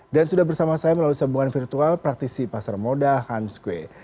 dan sudah bersama saya melalui sambungan virtual praktisi pasar moda hans kueh